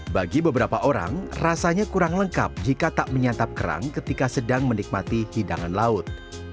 bagi beberapa orang rasanya kurang lengkap jika tak menyantap kerang ketika sedang menikmati hidangan laut